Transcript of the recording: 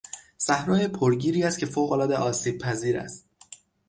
صحرا پرگیری است که فوقالعاده آسیبپذیر است.